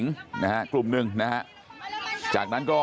แล้วป้าไปติดหัวมันเมื่อกี้แล้วป้าไปติดหัวมันเมื่อกี้